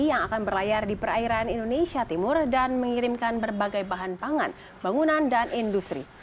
yang akan berlayar di perairan indonesia timur dan mengirimkan berbagai bahan pangan bangunan dan industri